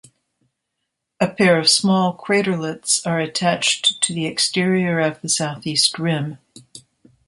A pair of small craterlets are attached to the exterior of the southeast rim.